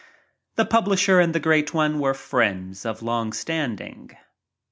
The publisher and the Great One were friends of long standing.